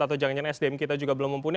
atau jangan jangan sdm kita juga belum mumpuni